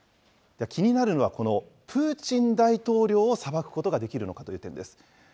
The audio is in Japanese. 気になるのは、このプーチン大統領を裁くことができるのかという点です。